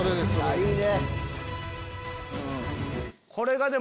いいね！